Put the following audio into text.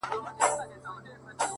ما خو زولني په وینو سرې پکښي لیدلي دي-